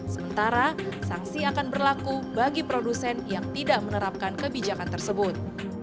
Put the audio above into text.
sementara sanksi akan berlaku bagi produsen yang tidak menerapkan kebijakan tersebut